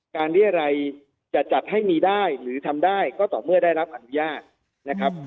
เรียรัยจะจัดให้มีได้หรือทำได้ก็ต่อเมื่อได้รับอนุญาตนะครับ